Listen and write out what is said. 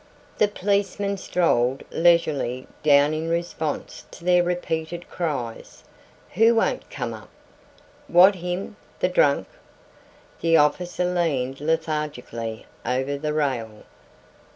The policeman strolled leisurely down in response to their repeated cries. "Who ain't come up? What, him the drunk?" The officer leaned lethargically over the rail.